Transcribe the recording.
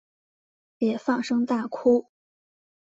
也放声大哭